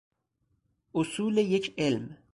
اصول یک علم